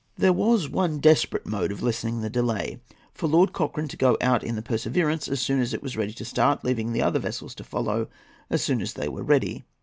There was one desperate mode of lessening the delay—for Lord Cochrane to go out in the Perseverance as soon as it was ready to start, leaving the other vessels to follow as soon as they were ready.